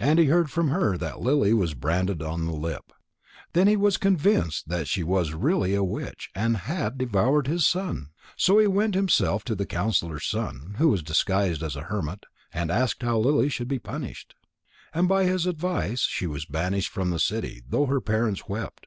And he heard from her that Lily was branded on the hip. Then he was convinced that she was really a witch and had devoured his son. So he went himself to the counsellor's son, who was disguised as a hermit, and asked how Lily should be punished. And by his advice, she was banished from the city, though her parents wept.